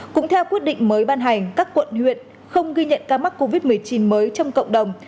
cũng theo quyết định mới ban hành các quận huyện không ghi nhận ca mắc covid một mươi chín mới trong cộng đồng